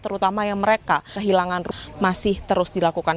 terutama yang mereka kehilangan masih terus dilakukan